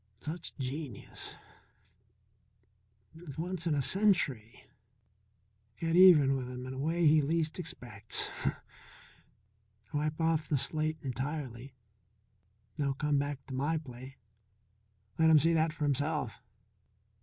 "... such genius ... once in a century ... get even with him in a way he least expects ... wipe off the slate entirely ... no comeback to my play ... let him see that for himself.